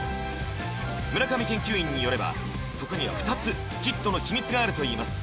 村上研究員によればそこには２つヒットの秘密があるといいます